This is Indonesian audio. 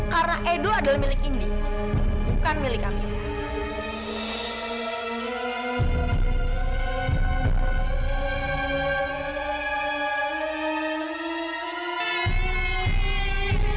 karena edo adalah milik indi bukan milik kami